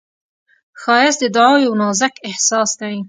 ښایست د دعا یو نازک احساس دی